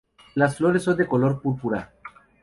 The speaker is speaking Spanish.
Las flores son de color púrpura.